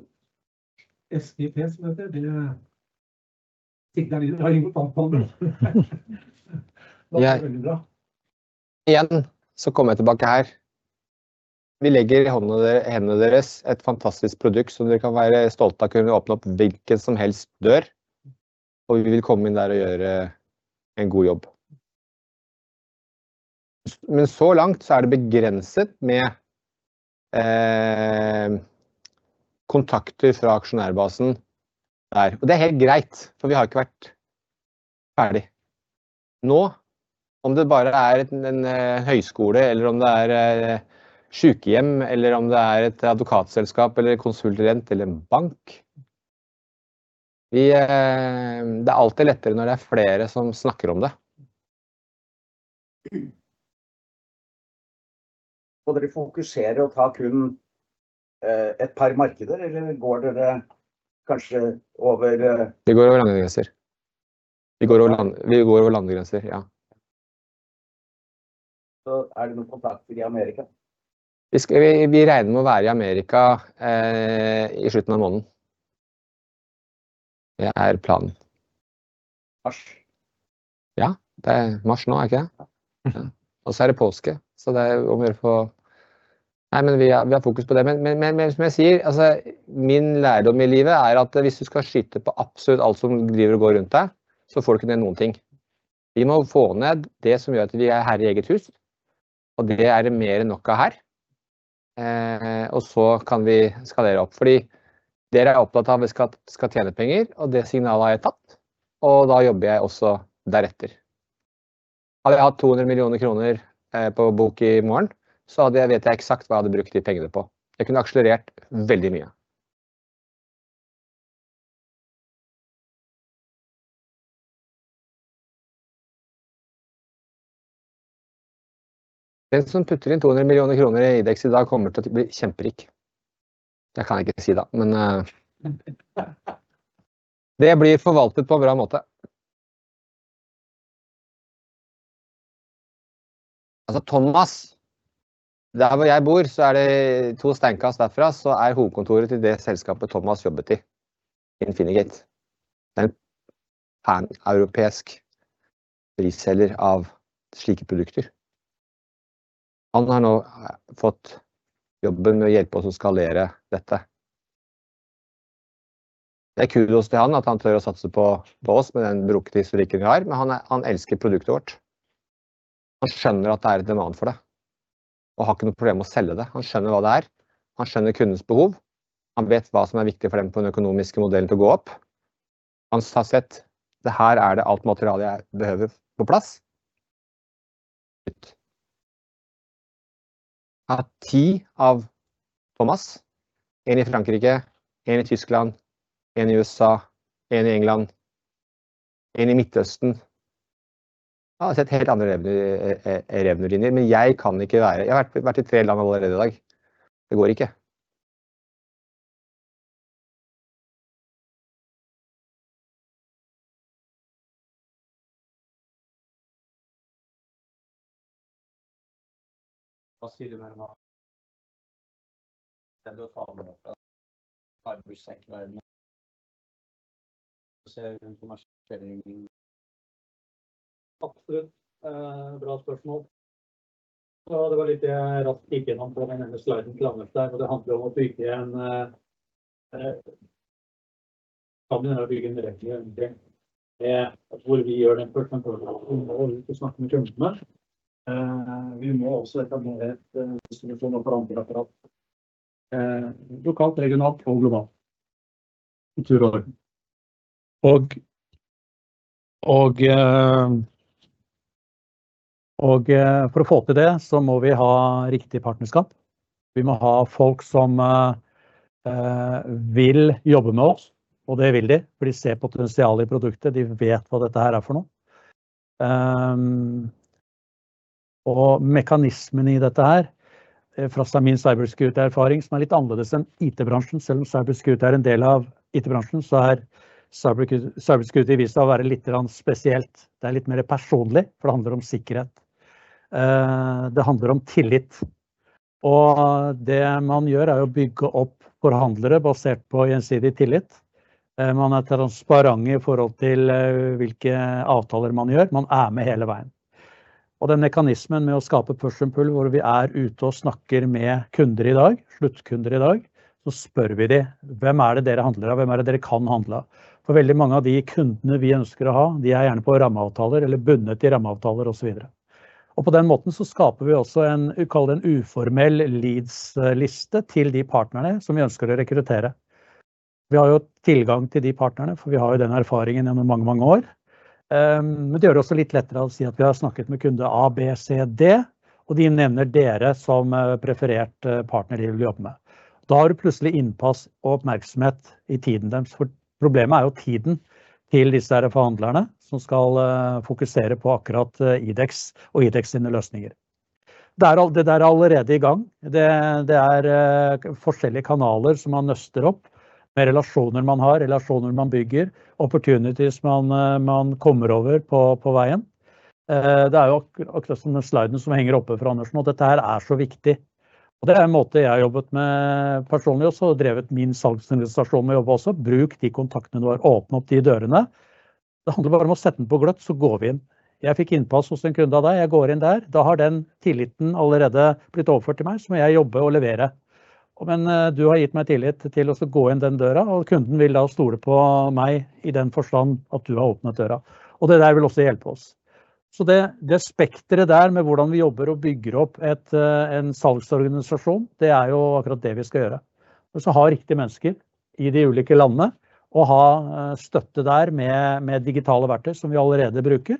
System-in-Package som det heter, det tyter det ut av i hopetall nå. Det er veldig bra. Igjen kommer jeg tilbake her. Vi legger i hånden deres, hendene deres et fantastisk produkt som dere kan være stolte av. Kunne vi åpne opp hvilken som helst dør, vi vil komme inn der og gjøre en god jobb. Så langt er det begrenset med kontakter fra aksjonærbasen der. Det er helt greit, for vi har ikke vært ferdig. Om det bare er en høyskole eller om det er sykehjem eller om det er et advokatselskap eller konsulent eller en bank. Det er alltid lettere når det er flere som snakker om det. dere fokuserer å ta kun et par markeder, eller går dere kanskje over? Vi går over landegrenser. Vi går over land, vi går over landegrenser. Ja. Er det noen kontakter i America. Vi regner med å være i Amerika i slutten av måneden. Det er planen. Mars? Det er mars nå, er det ikke? Det er påske, så det om å gjøre å få. Vi har fokus på det. Som jeg sier, min lærdom i livet er at hvis du skal skyte på absolutt alt som driver og går rundt deg, så får du ikke ned noen ting. Vi må få ned det som gjør at vi er herre i eget hus, det er det mer enn nok av her. Vi kan skalere opp fordi dere er opptatt av at vi skal tjene penger, det signalet er tatt, jeg jobber også deretter. Hadde jeg hatt 200 millioner NOK på bok i morgen, jeg vet jeg eksakt hva jeg hadde brukt de pengene på. Jeg kunne akselerert veldig mye. Den som putter inn 200 million kroner i IDEX i dag kommer til å bli kjemperik. Jeg kan ikke si da, men. Det blir forvaltet på en bra måte. Altså Thomas. Der hvor jeg bor så er det to steinkast derfra så er hovedkontoret til det selskapet Thomas jobbet i Infinigate. Det er en europeisk prisseller av slike produkter. Han har nå fått jobben med å hjelpe oss å skalere dette. Det er kudos til han at han tør å satse på oss med den brokte historikken vi har. Men han elsker produktet vårt. Han skjønner at det er et demand for det og har ikke noe problem med å selge det. Han skjønner hva det er. Han skjønner kundens behov. Han vet hva som er viktig for dem for den økonomiske modellen til å gå opp. Han har sett det her er det alt materialet jeg behøver på plass. Hatt 10 av Thomas, en i Frankrike, en i Tyskland, en i USA, en i England, en i Midtøsten. Ja, sett helt andre revne, revnelinjer. Jeg kan ikke være, jeg har vært i 3 land allerede i dag. Det går ikke. Hva sier du om det nå? Det bør ta med seg cybersecurity. Se commercialization. Absolutt. Bra spørsmål. Ja, det var litt det jeg raskt gikk gjennom på den ene sliden til Anders der, og det handler om å bygge en, kan minne om å bygge en regel egentlig. Hvor vi gjør den første undersøkelsen og er ute og snakker med kundene. Vi må også etablere et distribusjonsapparat lokalt, regionalt og globalt. For å få til det så må vi ha riktige partnerskap. Vi må ha folk som vil jobbe med oss. Det vil de, for de ser potensiale i produktet. De vet hva dette her er for noe. Mekanismen i dette her fra min cybersecurity erfaring, som er litt annerledes enn IT bransjen. Selv om cybersecurity er en del av IT bransjen, så er cybersecurity vist seg å være littegrann spesielt. Det er litt mer personlig, for det handler om sikkerhet. Det handler om tillit. Det man gjør er å bygge opp forhandlere basert på gjensidig tillit. Man er transparent i forhold til hvilke avtaler man gjør. Man er med hele veien. Den mekanismen med å skape push and pull hvor vi er ute og snakker med kunder i dag, sluttkunder i dag, så spør vi de hvem er det dere handler av? Hvem er det dere kan handle av? Veldig mange av de kundene vi ønsker å ha, de er gjerne på rammeavtaler eller bundet til rammeavtaler og så videre. På den måten så skaper vi også en, kall det en uformell leads liste til de partnerne som vi ønsker å rekruttere. Vi har jo tilgang til de partnerne, for vi har jo den erfaringen gjennom mange år. Det gjør det også litt lettere å si at vi har snakket med kunde A, B, C, D og de nevner dere som preferert partner de vil jobbe med. Har du plutselig innpass og oppmerksomhet i tiden deres. Problemet er jo tiden til disse forhandlerne som skal fokusere på akkurat IDEX og IDEX sine løsninger. Det er alt, det er allerede i gang. Det er forskjellige kanaler som man nøster opp med relasjoner man har, relasjoner man bygger, opportunities man kommer over på veien. Det er jo akkurat som den sliden som henger oppe fra Andersen at dette her er så viktig. Det er en måte jeg jobbet med personlig og så drevet min salgsorganisasjon med å jobbe også. Bruk de kontaktene du har, åpne opp de dørene. Det handler bare om å sette den på gløtt, går vi inn. Jeg fikk innpass hos en kunde av deg. Jeg går inn der. Da har den tilliten allerede blitt overført til meg. Må jeg jobbe og levere. Du har gitt meg tillit til å gå inn den døra, og kunden vil da stole på meg i den forstand at du har åpnet døra. Det der vil også hjelpe oss. Det, det spekteret der med hvordan vi jobber og bygger opp et en salgsorganisasjon, det er jo akkurat det vi skal gjøre. Ha riktige mennesker i de ulike landene og ha støtte der med digitale verktøy som vi allerede bruker,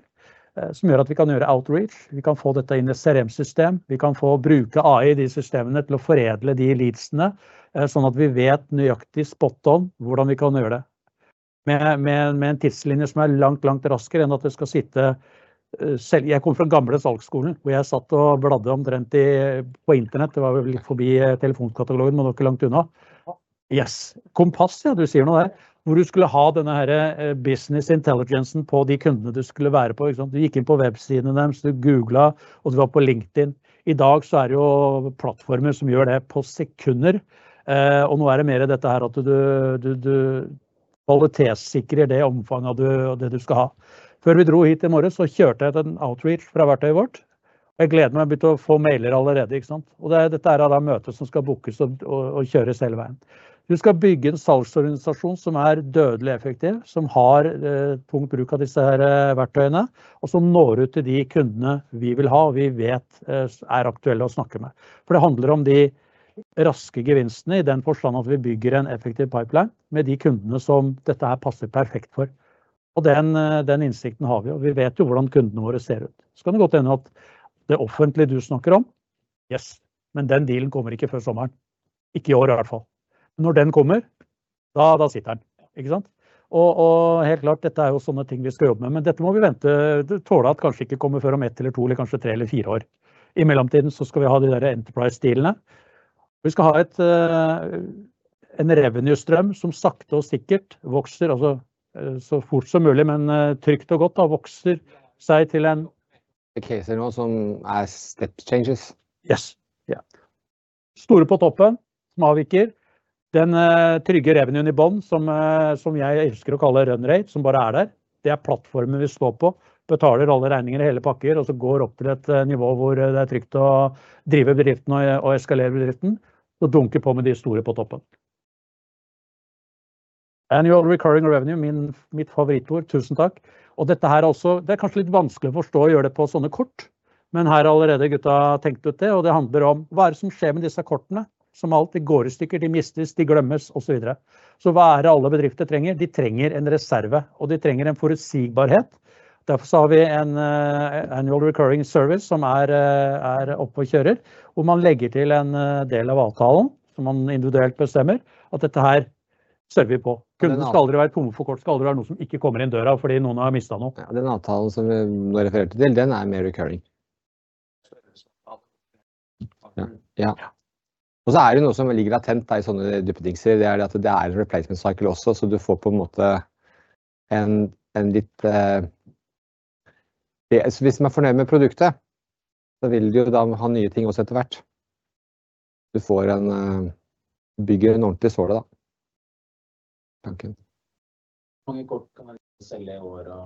som gjør at vi kan gjøre outreach. Vi kan få dette inn i CRM-system. Vi kan få bruke AI i de systemene til å foredle de leadsene sånn at vi vet nøyaktig spot on hvordan vi kan gjøre det med med med en tidslinje som er langt raskere enn at jeg skal sitte selv. Jeg kommer fra gamle salgsskolen hvor jeg satt og bladde omtrent i på internett. Nok ikke langt unna. Yes. Kompass ja, du sier noe der hvor du skulle ha denne her business intelligensen på de kundene du skulle være på, ikke sant? Du gikk inn på websidene deres, du Googled og du var på LinkedIn. I dag så er det jo plattformer som gjør det på sekunder. Nå er det mer dette her at du kvalitetssikrer det omfanget du og det du skal ha. Før vi dro hit i morges så kjørte jeg et outreach fra verktøyet vårt, og jeg gleder meg til å få mailer allerede, ikke sant? Det er dette her da møtet som skal bookes og kjøres hele veien. Du skal bygge en salgsorganisasjon som er dødelig effektiv, som har tung bruk av disse verktøyene og som når ut til de kundene vi vil ha og vi vet er aktuelle å snakke med. Det handler om de raske gevinstene i den forstand at vi bygger en effektiv pipeline med de kundene som dette her passer perfekt for. Den innsikten har vi, og vi vet jo hvordan kundene våre ser ut. Kan det godt hende at det offentlige du snakker om. Yes. Den dealen kommer ikke før sommeren. Ikke i år i hvert fall. Når den kommer da sitter den, ikke sant? Helt klart, dette er jo sånne ting vi skal jobbe med, men dette må vi vente. Tåle at kanskje ikke kommer før om 1 eller 2, eller kanskje 3 eller 4 år. I mellomtiden so skal vi ha de der enterprise dealene, og vi skal ha et, en revenue strøm som sakte og sikkert vokser og so fort som mulig, men trygt og godt da vokser seg til en- Casen og som er step changes. Yes. Ja. Store på toppen. Småvik er den trygge revenuen i bunn som jeg elsker å kalle run rate som bare er der. Det er plattformen vi står på, betaler alle regninger, hele pakker og så går opp til et nivå hvor det er trygt å drive bedriften og eskalere bedriften. Dunke på med de store på toppen. Annual Recurring Revenue min, mitt favorittord. Tusen takk. Dette her også. Det er kanskje litt vanskelig å forstå og gjøre det på sånne kort. Her er allerede gutta tenkt ut det. Det handler om hva er det som skjer med disse kortene? Alt, de går i stykker, de mistes, de glemmes og så videre. Hva er det alle bedrifter trenger? De trenger en reserve og de trenger en forutsigbarhet. Har vi en Annual Recurring service som er oppe og kjører, hvor man legger til en del av avtalen som man individuelt bestemmer at dette her server vi på. Kunden skal aldri være tom for kort. Skal aldri være noe som ikke kommer inn døra fordi noen har mistet noe. Den avtalen som vi nå refererer til, den er mehr recurring. Ja. Ja. Det er jo noe som ligger latent da i sånne type ting, det er det at det er en replacement cycle også, så du får på en måte en litt, hvis man er fornøyd med produktet, så vil du jo da ha nye ting også etter hvert. Du får en bygger en ordentlig såle da. Tanken. Hvor mange kort kan man selge i året?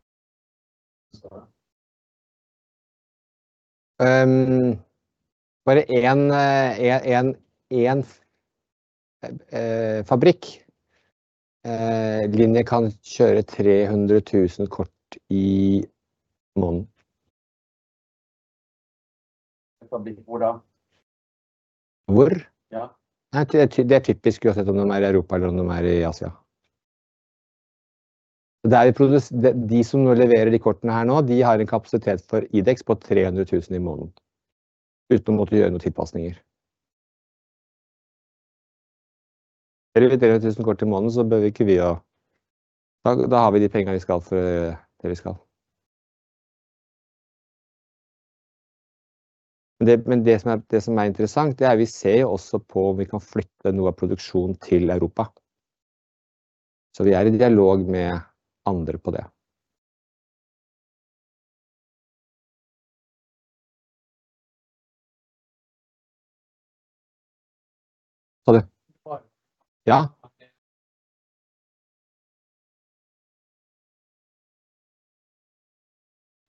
Bare en fabrikk linje kan kjøre 300,000 kort i måneden. Fabrikk hvor da? Hvor? Ja. Nei, det er typisk uansett om de er i Europa eller om de er i Asia. Det er i produksjon. De som leverer de kortene her nå. De har en kapasitet for IDEX på 300,000 i måneden. Uten å måtte gjøre noen tilpasninger. 300,000 kort i måneden så behøver ikke vi å, da har vi de pengene vi skal til det vi skal. Det som er interessant, det er vi ser jo også på om vi kan flytte noe av produksjonen til Europa, så vi er i dialog med andre på det. Ha det! Ja.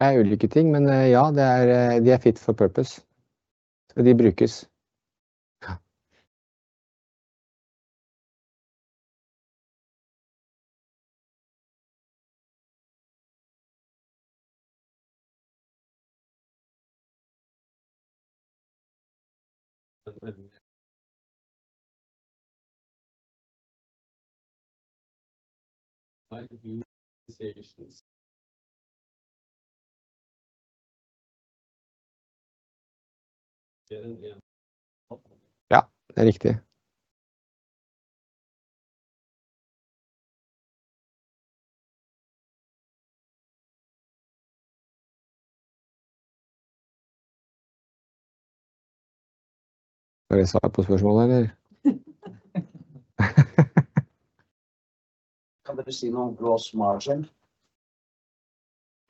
Det er ulike ting, men ja, det er de er fit for purpose. De brukes. Ja, det er riktig. Får jeg svar på spørsmålet eller? Kan dere si noe om gross margin?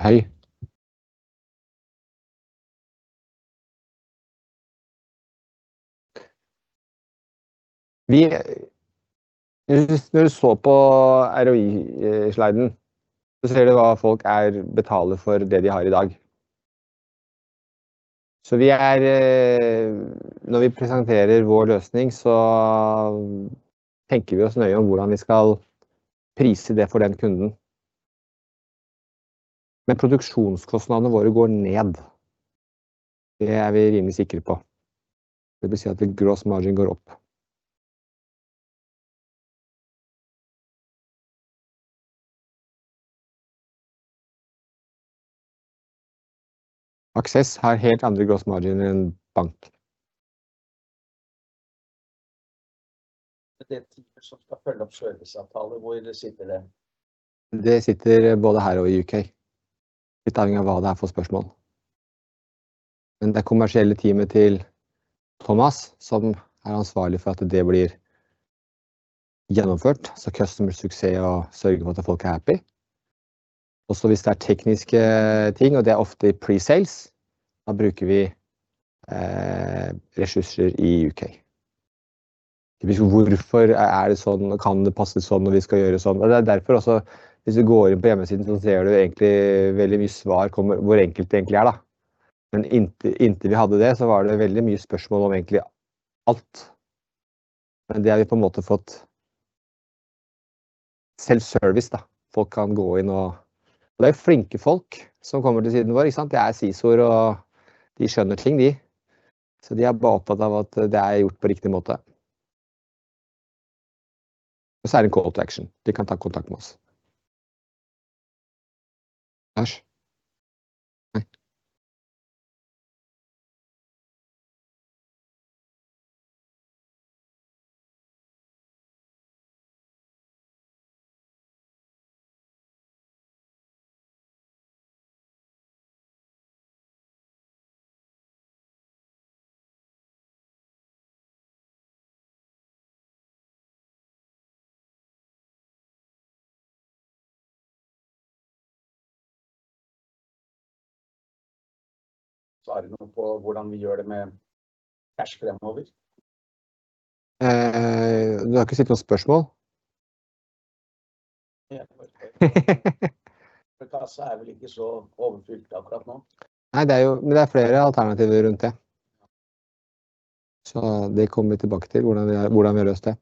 Hei! Hvis du så på ROI sliden så ser du hva folk betaler for det de har i dag. Når vi presenterer vår løsning så tenker vi oss nøye om hvordan vi skal prise det for den kunden. Produksjonskostnadene våre går ned. Det er vi rimelig sikre på. Det vil si at gross margin går opp. Access har helt andre gross margin enn en bank. Det er teamet som skal følge opp serviceavtale. Hvor sitter det? Det sitter både her og i U.K. Litt avhengig av hva det er for spørsmål. Det er kommersielle teamet til Thomas som er ansvarlig for at det blir gjennomført. Customer success og sørger for at folk er happy. Hvis det er tekniske ting, og det er ofte i pre-sales. Vi bruker ressurser i U.K. Typisk hvorfor er det sånn? Kan det passe sånn når vi skal gjøre sånn? Det er derfor også, hvis vi går inn på hjemmesiden, så ser du egentlig veldig mye svar kommer hvor enkelt det egentlig er da. Inntil vi hadde det, så var det veldig mye spørsmål om egentlig alt. Det har vi på en måte fått. Self-service da folk kan gå inn og det er flinke folk som kommer til siden vår, ikke sant? Det er CSOR, og de skjønner ting de, så de er opptatt av at det er gjort på riktig måte. Det er en call to action. De kan ta kontakt med oss. Takk! Det er noe på hvordan vi gjør det med cash fremover. Du har ikke sett noen spørsmål? Nei kassa er vel ikke så overfylt akkurat nå. Det er jo, men det er flere alternativer rundt det. Det kommer vi tilbake til hvordan vi har løst det.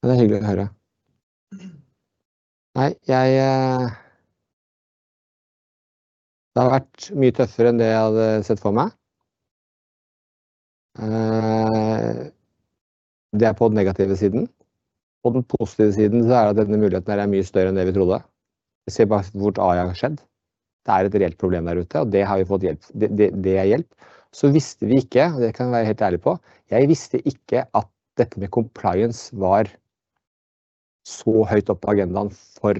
Det er hyggelig å høre. Jeg. Det har vært mye tøffere enn det jeg hadde sett for meg. Det er på den negative siden. På den positive siden er at denne muligheten her er mye større enn det vi trodde. Se bare hvor raskt det har skjedd. Det er et reelt problem der ute, og det har vi fått hjelp. Det jeg hjelp, så visste vi ikke, og det kan jeg være helt ærlig på. Jeg visste ikke at dette med compliance var så høyt oppe på agendaen for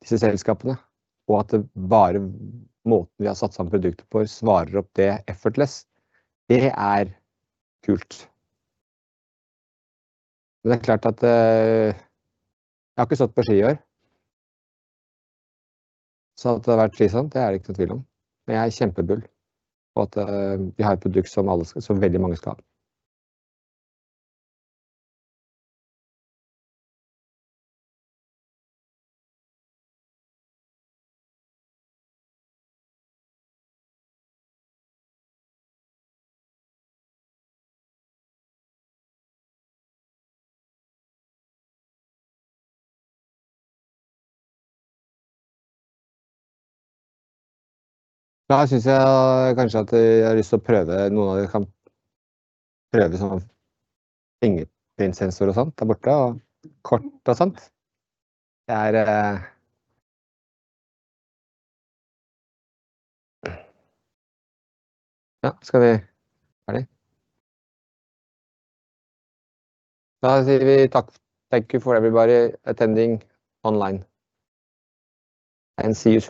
disse selskapene, og at bare måten vi har satt sammen produktet på svarer opp det effortless. Det er kult. Det er klart at jeg har ikke stått på ski i år. At det har vært slitsomt, det er det ikke noe tvil om. Jeg er kjempebull på at vi har et produkt som alle som veldig mange skal. Ja, her synes jeg kanskje at jeg har lyst til å prøve noen av de. Kan prøve sånn fingerprint sensor og sånt der borte og kort og sånt. Ja, skal vi ferdig? Sier vi takk. Thank you for everybody attending online and see you soon.